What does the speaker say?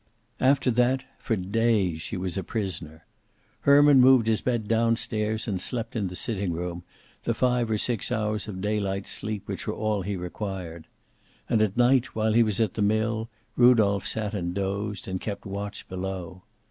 After that, for days she was a prisoner. Herman moved his bed down stairs and slept in the sitting room, the five or six hours of day light sleep which were all he required. And at night, while he was at the mill, Rudolph sat and dozed and kept watch below.